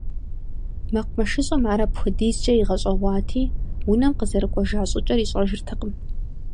МэкъумэшыщӀэм ар апхуэдизкӀэ игъэщӀэгъуати, унэм къызэрыкӀуэжа щӀыкӀэр ищӀэжыртэкъым.